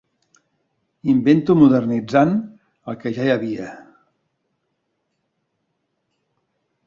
Invento modernitzant el que ja hi havia.